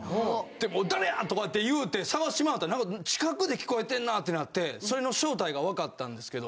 でもう「誰や！？」とかって言うて探しまわったらなんか近くで聞こえてんなってなってそれの正体がわかったんですけど。